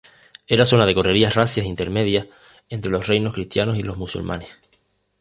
Era zona de correrías razzias intermedia entre los reinos cristianos y los musulmanes.